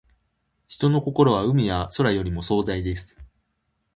人の心は、海や空よりも壮大です。